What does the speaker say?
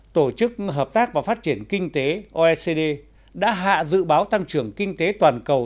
tổ chức hợp tác và phát triển kinh tế oecd đã hạ dự báo tăng trưởng kinh tế toàn cầu